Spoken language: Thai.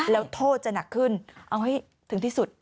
แล้วโทษจะหนักขึ้นเอาให้ถึงที่สุด